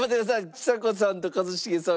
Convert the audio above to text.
ちさ子さんと一茂さん